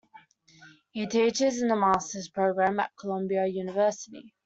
He teaches in the masters program at Columbia University.